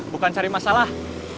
bukan cari masalah